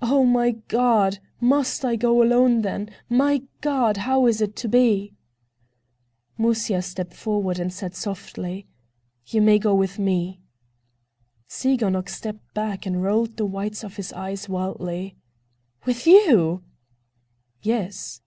"Oh, my God! Must I go alone, then? My God! How is it to be?" Musya stepped forward and said softly: "You may go with me." Tsiganok stepped back and rolled the whites of his eyes wildly. "With you!" "Yes."